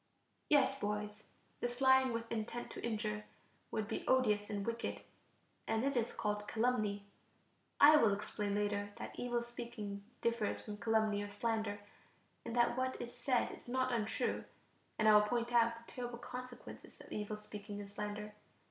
Yes, boys, this lying with intent to injure would be odious and wicked, and it is called calumny. I will explain later that evil speaking differs from calumny or slander in that what is said is not untrue, and I will point out the terrible consequences of evil speaking and slander.